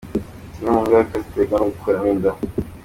Ibyo rero binaniza ubwonko bigatera kurwara umutwe.